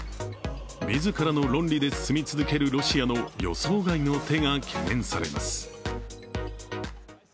自らの論理で進み続けるロシアの予想外の手が懸念されます。